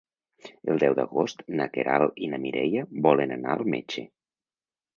El deu d'agost na Queralt i na Mireia volen anar al metge.